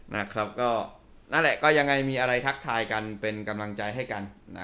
นั่นแหละก็ยังไงมีอะไรทักทายกันเป็นกำลังใจให้กัน